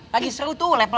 lagi seru tuh level tujuh